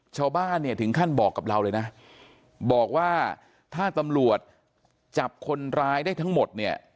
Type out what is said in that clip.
ชาวบ้านถึงขั้นบอกกับเรานะบอกว่าถ้าตำรวจจับคนร้ายได้ทั้งหมด